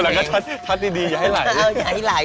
แล้วก็ทัดทัดดีใหญ่ไหลเลยแล้วใหญ่ไหล